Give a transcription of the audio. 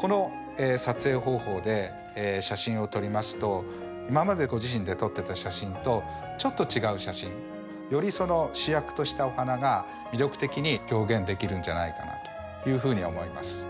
この撮影方法で写真を撮りますと今までご自身で撮ってた写真とちょっと違う写真。より主役としたお花が魅力的に表現できるんじゃないかなというふうに思います。